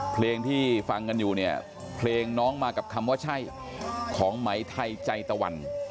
เพลงที่ฟังกันอยู่เนี่ยเพลงน้องมากับคำว่าใช่ของไหมไทยใจตะวัน